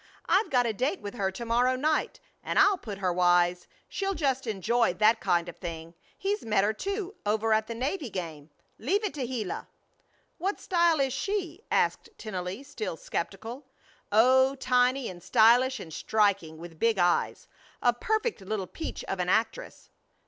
I've got a date with her to morrow night and I'll put her wise. She'll just enjoy that kind of thing. He's met her, too, over at the Navy game. Leave it to Gila." "What style is she?" asked Tennelly, still skeptical. "Oh, tiny and stylish and striking, with big eyes. A perfect little peach of an actress."